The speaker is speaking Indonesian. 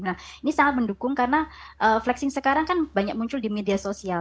nah ini sangat mendukung karena flexing sekarang kan banyak muncul di media sosial